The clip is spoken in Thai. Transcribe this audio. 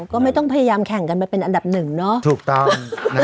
ก็ไม่ต้องพยายามแข่งกันไปเป็นอันดับหนึ่งเนาะถูกต้อง